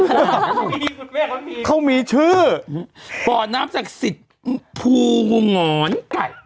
เขามีชื่อบ่อน้ำศักดิ์สิทธิ์ภูหงอนไก่